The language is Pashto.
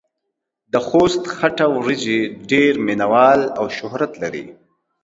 دخوست خټه وريژې ډېر مينه وال او شهرت لري.